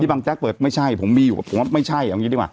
บางแจ๊กเปิดไม่ใช่ผมมีอยู่ผมว่าไม่ใช่เอางี้ดีกว่า